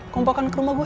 kompakan ke rumah gue